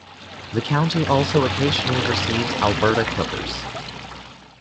The county also occasionally receives Alberta clippers.